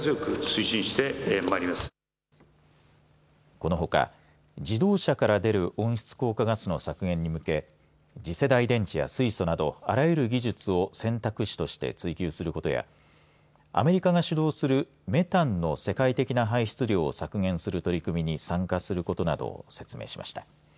このほか自動車から出る温室効果ガスの削減に向け次世代電池や水素などあらゆる技術を選択肢として追及することやアメリカが主導するメタンの世界的な排出量を削減する取り組みに参加することなどを説明しました。